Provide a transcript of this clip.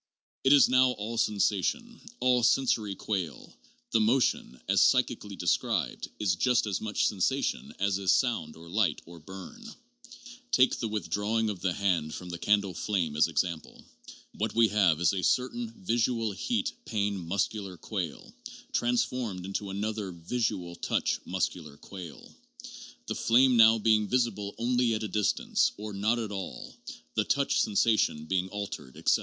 It is now all sensation, all sen sory quale ; the motion, .as psychically described, is just as much, sensation as is sound or light or burn. Take the withdrawing of the hand from the candle flame as example. What we have is a certain visual heat pain muscular quale, transformed into another visual touch muscular quale — the flame now being vis ible only at a distance, or not at all, the touch sensation being altered, etc.